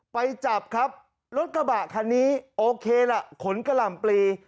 ไปจับครับรถกระบะคันนี้โอเคล่ะขนกะหล่ำปลี